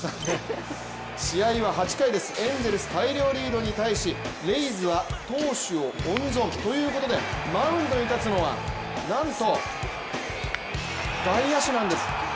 試合は８回です、エンゼルス大量リードに対し、レイズは投手を温存ということでマウンドに立つのはなんと外野手なんです。